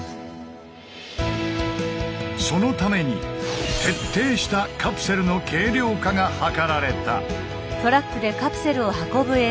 そのために徹底したカプセルの軽量化が図られた。